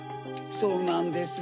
そうなんです。